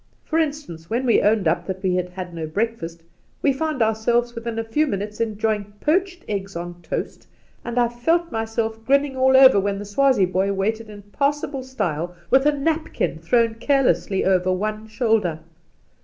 For instance, when we owned up that we had had no breakfast^ we found ourselves within a few minutes enjoying poached eggs on toast, and I felt myself grinning all over when the Swazie boy waited in passable style with a napkin thrown carelessly over one shoulder.